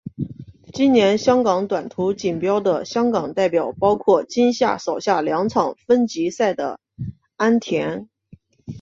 今年香港短途锦标的香港代表包括今季扫下两场分级赛的安畋。